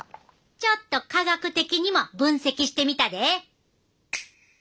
ちょっと科学的にも分析してみたで。